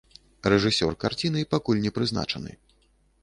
Рэжысёр карціны пакуль не прызначаны.